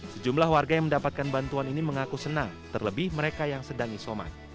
sejumlah warga yang mendapatkan bantuan ini mengaku senang terlebih mereka yang sedang isoman